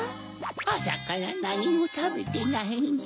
あさからなにもたべてないんじゃ。